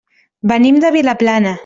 Venim de Vilaplana.